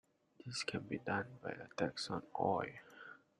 This can be done by a tax on oil.